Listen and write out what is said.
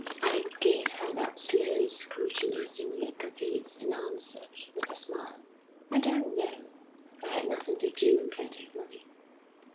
Alec gave her that slow, scrutinising look of his, and answered, with a smile: 'I don't know. I had nothing to do and plenty of money.'